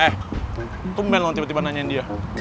eh tumpen loh tiba tiba nanyain dia